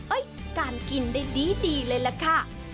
การกินได้ดีเลยล่ะค่ะ